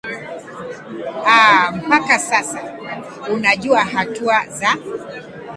aa mpaka sasa unajua hatua za